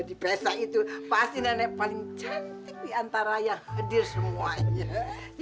di pesta itu pasti nenek paling cantik diantara yang hadir semuanya